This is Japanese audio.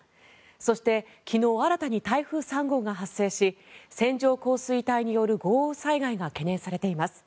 そして昨日、新たに台風３号が発生し線状降水帯による豪雨災害が懸念されています。